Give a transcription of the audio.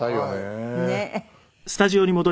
「ねえ」